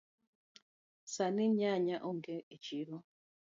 Sani nyanya onge echiro.